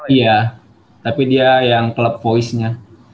iya tapi dia yang klub voice nya